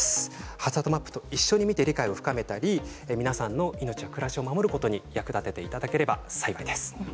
ハザードマップと一緒に見て理解を深めたり皆さんの命や暮らしを守ることに役立てていただければ幸いです。